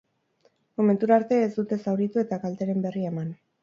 Momentura arte, ez dute zauritu eta kalteren berri eman.